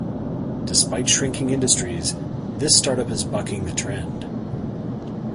Despite shrinking industries, this startup is bucking the trend.